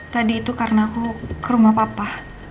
tadi itu karena aku ke rumah papa